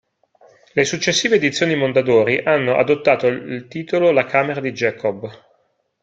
Le successive edizioni Mondadori hanno adottato il titolo La camera di Jacob.